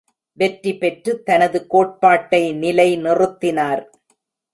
வெற்றி பெற்று தனது கோட்பாட்டை நிலை நிறுத்தினார்!